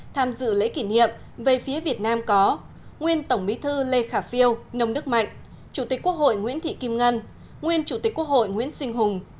tham dự lễ kỷ niệm về phía việt nam có nguyên tổng bí thư lê khả phiêu nông đức mạnh chủ tịch quốc hội nguyễn thị kim ngân nguyên chủ tịch quốc hội nguyễn sinh hùng